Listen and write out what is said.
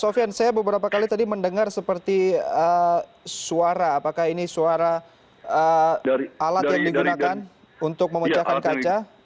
sofian saya beberapa kali tadi mendengar seperti suara apakah ini suara alat yang digunakan untuk memecahkan kaca